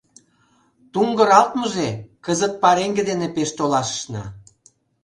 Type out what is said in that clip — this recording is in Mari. — Туҥгыралтмыже, кызыт пареҥге дене пеш толашышна.